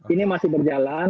ini masih berjalan